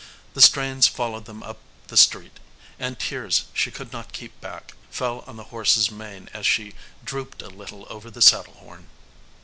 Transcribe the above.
The strains followed them up the street, and tears she could not keep back fell on the horse's mane as she drooped a little over the saddlehorn.